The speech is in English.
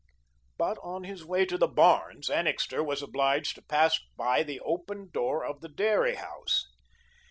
But on his way to the barns, Annixter was obliged to pass by the open door of the dairy house.